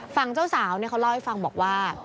ฝั่งเจ้าสาวเขาเล่าให้ฟังบอกว่า